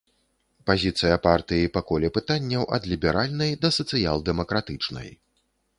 Пазіцыя партыі па коле пытанняў, ад ліберальнай да сацыял-дэмакратычнай.